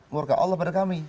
mereka allah pada kami